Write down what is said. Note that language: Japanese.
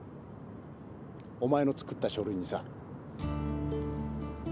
お前の作った書類にさ。